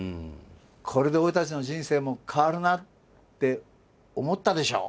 これで俺たちの人生も変わるなって思ったでしょう？